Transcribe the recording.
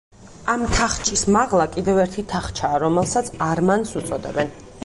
ამ თახჩის მაღლა კიდევ ერთი თახჩაა, რომელსაც „არმანს“ უწოდებენ.